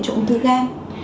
chỗ ung thư gan